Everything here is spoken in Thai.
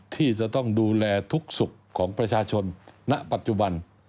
ที่จะต้องดูแลทุกสุขของประชาชนณปัจจุบัน